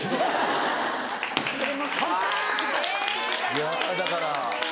いやだから。